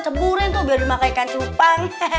teburin tuh biar dimakaikan cupang